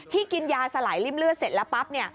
ที่กินยาสลายริ่มเลือดเสร็จแล้วปั๊บเนี่ย